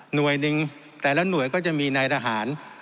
หน่วยหนึ่งแต่ละหน่วยก็จะมีในอาหาร